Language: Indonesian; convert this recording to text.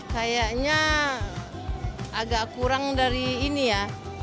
kayaknya agak kurang dari ini ya